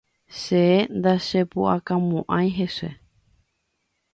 Che ndachepu'akamo'ãi hese.